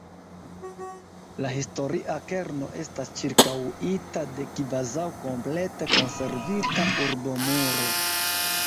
La historia kerno estas ĉirkaŭita de kvazaŭ komplete konservita urbomuro.